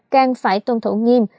càng phải tuân thủ nghiêm